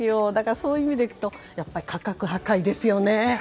そういう意味言うと価格破壊ですよね。